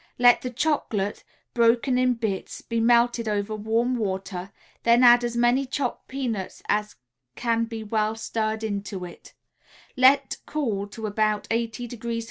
Let the chocolate, broken in bits, be melted over warm water, then add as many chopped peanuts as can be well stirred into it; let cool to about 80° F.